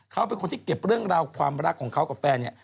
เขาเป็นคนที่เก็บเรื่องราวความรักของเขากับแฟนเนี่ย